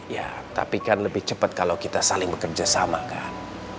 ya tapi kan lebih cepat kalau kita saling bekerja sama kan